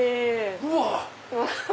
うわ！